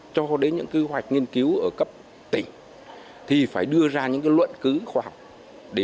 cho đến những kế hoạch nghiên cứu ở cấp tỉnh thì phải đưa ra những luận cứ khoa học để